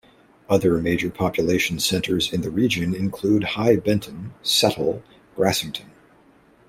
Other major population centres in the region include High Bentham, Settle, Grassington.